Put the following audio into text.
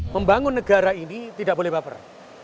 membangun negara ini tidak boleh baper